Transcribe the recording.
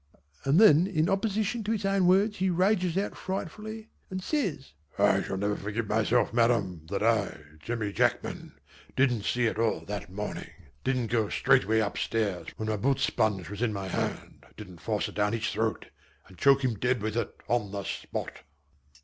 And then in opposition to his own words he rages out frightfully, and says "I shall never forgive myself Madam, that I, Jemmy Jackman, didn't see it all that morning didn't go straight up stairs when my boot sponge was in my hand didn't force it down his throat and choke him dead with it on the spot!"